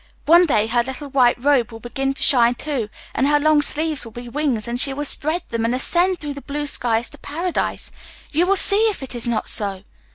One day her little white robe will begin to shine too, and her long sleeves will be wings, and she will spread them and ascend through the blue sky to Paradise. You will see if it is not so."